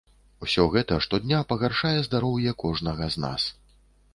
Усё гэта штодня пагаршае здароўе кожнага з нас.